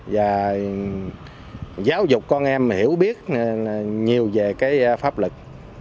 và giáo dục con em hiểu biết nhiều về cái pháp lực